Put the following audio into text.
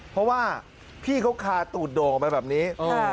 เพราะว่าพี่เขาคาตูดโด่งออกมาแบบนี้